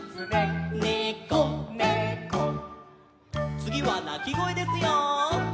つぎはなきごえですよ。